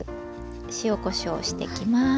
塩・こしょうしてきます。